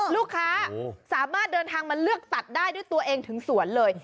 ลูกค้าสามารถเดินทางมาเลือกตัดได้ด้วยตัวเองถึงสวนเลย